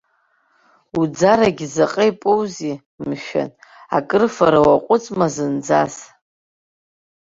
Уӡарагьы заҟа ипоузеи, мшәан, акрыфара уаҟәыҵма зынӡас?